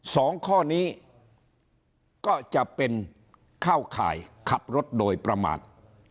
สองข้อนี้ก็จะเป็นเข้าข่ายขับรถโดยประมาท